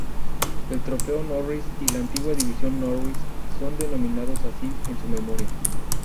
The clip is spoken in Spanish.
El Trofeo Norris y la antigua División Norris son denominados así en su memoria.